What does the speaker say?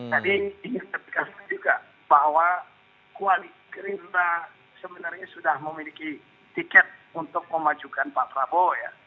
tadi saya tegaskan juga bahwa kuali gerindra sebenarnya sudah memiliki tiket untuk memajukan pak prabowo ya